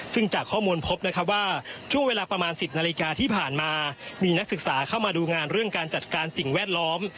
ซึ่งจากข้อมูลพบนะครับว่าช่วงเวลาประมาณ๑๐นาฬิกาที่ผ่านมามีนักศึกษาเข้ามาดูงานเรื่องการจัดการสิ่งแวดล้อม